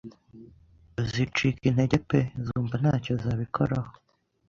Zicika intege pe, zumva nta cyo zabikoraho